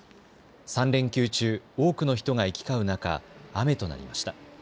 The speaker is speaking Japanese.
３連休中、多くの人が行き交う中、雨となりました。